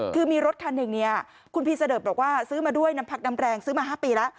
คือมีรถคันหนึ่งเนี่ยคุณพีเสดิร์ดบอกว่าซื้อมาด้วยน้ำพักน้ำแรงซื้อมา๕ปีแล้ว